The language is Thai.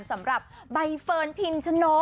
สำหรับใบเฟิร์นพิมชโน